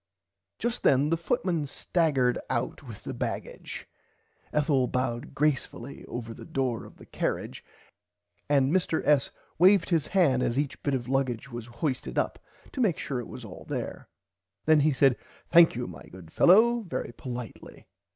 Just then the footman staggered out with the bagage. Ethel bowed gracefully over the door of the cariage and Mr S. waved his [Pg 31] hand as each bit of luggage was hoisted up to make sure it was all there. Then he said thankyou my good fellow very politely.